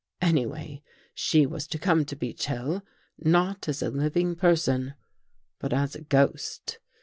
" Anyway, she was to come to Beech Hill — not as a living person, but as a ghost.